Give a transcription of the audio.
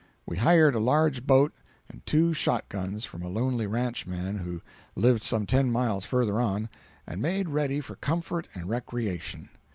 We hired a large boat and two shot guns from a lonely ranchman who lived some ten miles further on, and made ready for comfort and recreation.